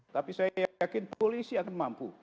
tapi saya yakin polisi akan mampu